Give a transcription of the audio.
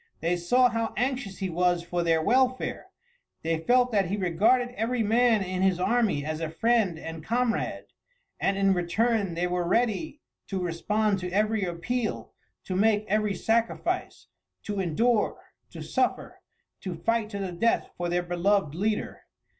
They saw how anxious he was for their welfare; they felt that he regarded every man in his army as a friend and comrade, and in return they were ready to respond to every appeal, to make every sacrifice, to endure, to suffer, to fight to the death for their beloved leader.